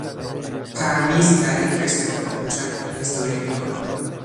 پرویز در یک رستوران کوچک میزداری میکند.